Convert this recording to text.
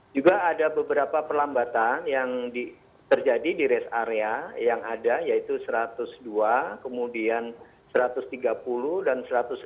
juga ada beberapa perlambatan yang terjadi di rest area yang ada yaitu satu ratus dua kemudian satu ratus tiga puluh dan satu ratus dua puluh